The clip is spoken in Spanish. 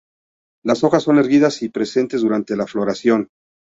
Las hojas son erguidas y presentes durante la floración.